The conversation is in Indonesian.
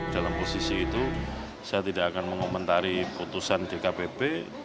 dalam posisi itu saya tidak akan mengomentari putusan dkpp